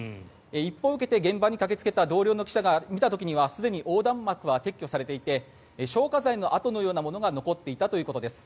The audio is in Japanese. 一報を受けて駆けつけた現場の記者が見た時にはすでに横断幕は撤去されていて消火剤の跡のようなものが残っていたということです。